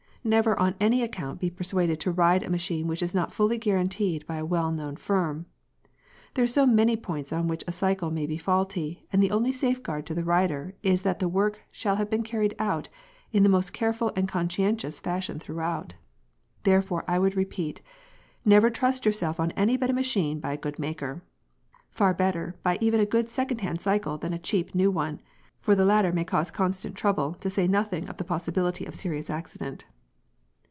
Never on any account be persuaded to ride a machine which is not fully guaranteed by a well known firm. There are so many points on which a cycle may be faulty, and the only safeguard to the rider is that the work shall have been carried out in the most careful and conscientious fashionthroughout. Therefore I would repeat never trust yourself on any but a machine by a good maker. Far better buy even a good second hand cycle than a "cheap" new one, for the latter may cause constant trouble, to say nothing of the possibility of serious accident.